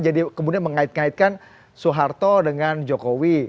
jadi kemudian mengait ngaitkan soeharto dengan jokowi